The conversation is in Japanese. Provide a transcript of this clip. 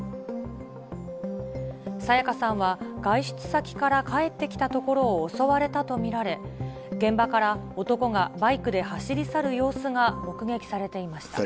彩加さんは外出先から帰ってきたところを襲われたとみられ、現場から男がバイクで走り去る様子が目撃されていました。